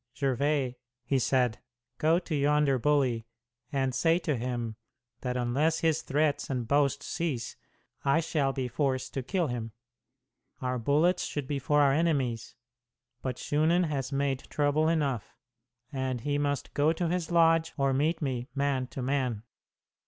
"Gervais," he said, "go to yonder bully, and say to him that unless his threats and boasts cease, I shall be forced to kill him. Our bullets should be for our enemies, but Shunan has made trouble enough; and he must go to his lodge or meet me, man to man."